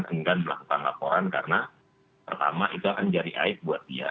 enggan melakukan laporan karena pertama itu akan jadi aib buat dia